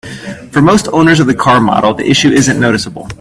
For most owners of the car model, the issue isn't noticeable.